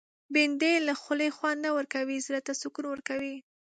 بېنډۍ له خولې خوند نه ورکوي، زړه ته سکون ورکوي